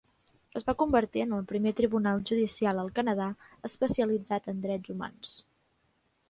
Es va convertir en el primer tribunal judicial al Canadà especialitzat en drets humans.